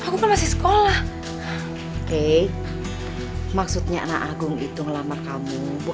keknya tuh cinta sama boy